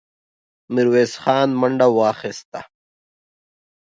ميرويس خان منډه واخيسته.